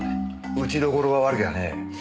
打ちどころが悪きゃあね。